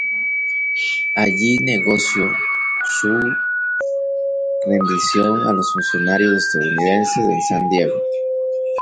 Allí negoció su rendición a los funcionarios estadounidenses en San Diego.